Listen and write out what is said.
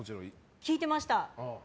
聞いてました。